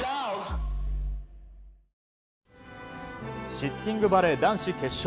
シッティングバレー男子決勝。